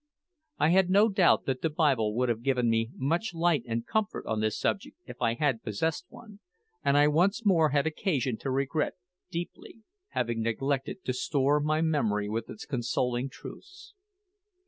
I had no doubt that the Bible would have given me much light and comfort on this subject if I had possessed one, and I once more had occasion to regret deeply having neglected to store my memory with its consoling truths.